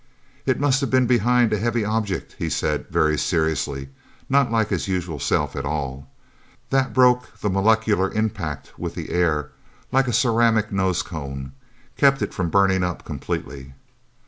"It must have been behind a heavy object," he said very seriously, not like his usual self at all. "That broke the molecular impact with the air like a ceramic nose cone. Kept it from burning up completely."